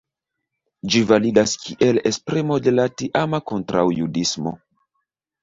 Ĝi validas kiel esprimo de la tiama kontraŭjudismo.